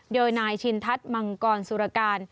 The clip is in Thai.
โดยนายชินทัศน์มังกรสุรการ